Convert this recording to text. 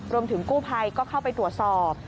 รวมถึงกู้ภัยก็เข้าไปตรวจสอบ